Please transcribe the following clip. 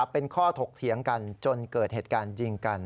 เป็นข้อถกเถียงกันจนเกิดเหตุการณ์ยิงกัน